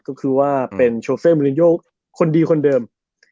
ก็คือว่าเป็นโชเฟอร์มูลินโยคนดีคนเดิม